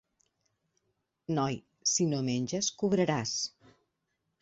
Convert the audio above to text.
Noi, si no menges cobraràs!